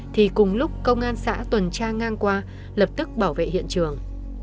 thì cùng lúc công an xã tuần tra ngang qua lập tức bảo vệ hiện trường